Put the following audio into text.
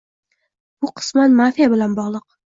Bu qisman mafiya bilan bog‘liq